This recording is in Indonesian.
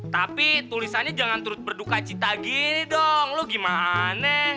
tapi tulisannya jangan turut berduka cita gini dong lo gimana